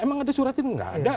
emang ada surat ini